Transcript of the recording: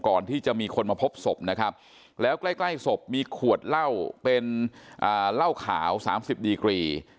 ก่อนที่จะมีคนมาพบศพนะครับแล้วใกล้ใกล้ศพมีขวดเหล้าเป็นเหล้าขาว๓๐ดีกรี